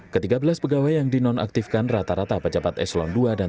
ketiga belas pegawai yang dinonaktifkan rata rata pejabat eslon dua dan tiga